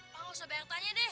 mak gak usah banyak tanya deh